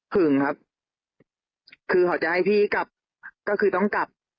ึงครับคือเขาจะให้พี่กลับก็คือต้องกลับ